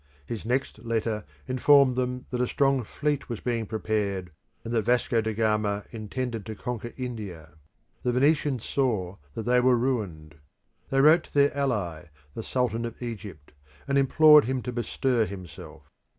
His next letter informed them that a strong fleet was being prepared, and that Vasco da Gama intended to conquer India. The Venetians saw that they were ruined. They wrote to their ally, the Sultan of Egypt, and implored him to bestir himself.